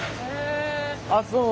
あっそう。